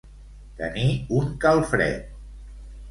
Tenir un calfred.